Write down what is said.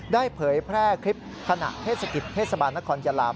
เผยแพร่คลิปขณะเทศกิจเทศบาลนครยาลาม